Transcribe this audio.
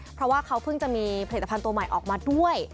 เพราะว่าเขาเพิ่งจะมีผลิตภัณฑ์ตัวใหม่ออกมาด้วย